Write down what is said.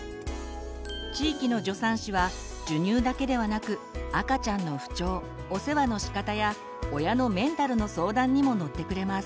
地域の助産師は授乳だけではなく赤ちゃんの不調お世話のしかたや親のメンタルの相談にも乗ってくれます。